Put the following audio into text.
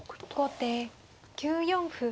後手９四歩。